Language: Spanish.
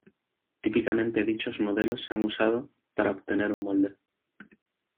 Típicamente dichos modelos se han usado para obtener un molde.